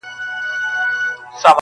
رسنۍ باید بېطرفه پاتې شي